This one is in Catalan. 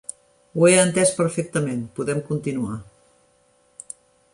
Ho he entès perfectament, podem continuar.